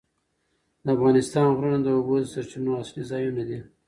د افغانستان غرونه د اوبو د سرچینو اصلي ځایونه دي.